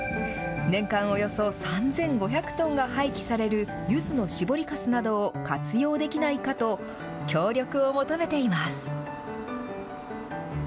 年間およそ３５００トンが廃棄されるゆずの搾りかすなどを活用できないかと、協力を求めています。